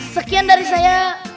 sekian dari saya